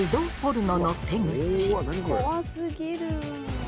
怖すぎる！